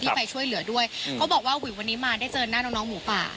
ไปช่วยเหลือด้วยเขาบอกว่าอุ๋ยวันนี้มาได้เจอหน้าน้องน้องหมูป่า